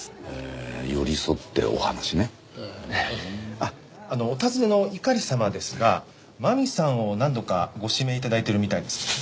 あっお尋ねの猪狩様ですがマミさんを何度かご指名頂いてるみたいです。